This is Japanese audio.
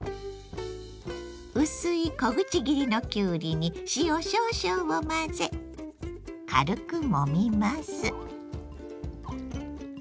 薄い小口切りのきゅうりに塩少々を混ぜ軽くもみます。